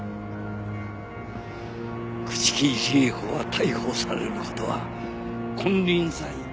朽木里江子が逮捕される事は金輪際ない。